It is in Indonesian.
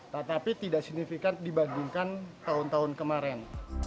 tetapi tidak signifikan dibandingkan tahun tahun kemarin